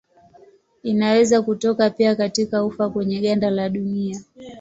Inaweza kutoka pia katika ufa kwenye ganda la dunia.